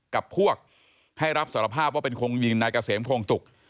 กับพวกให้รับสารภาพว่าเป็นคนยิงนายเกษมโครงตุก